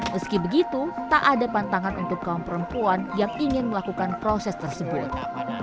meski begitu tak ada pantangan untuk kaum perempuan yang ingin melakukan proses tersebut